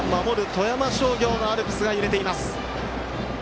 富山商業のアルプスが揺れています。